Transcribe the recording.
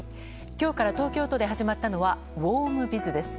今日から東京都で始まったのはウォームビズです。